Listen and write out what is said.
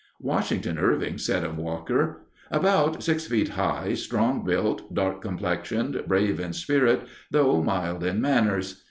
Washington Irving said of Walker, "About six feet high, strong built, dark complexioned, brave in spirit, though mild in manners.